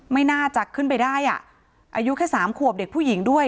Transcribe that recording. ไม่น่าจะขึ้นไปได้อ่ะอายุแค่สามขวบเด็กผู้หญิงด้วย